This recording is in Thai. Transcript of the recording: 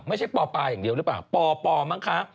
ไม่ใช่ปปอย่างเดียวหรือเปล่าปปมั้งคะ